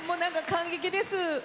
感激です。